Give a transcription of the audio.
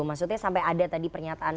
maksudnya sampai ada tadi pernyataan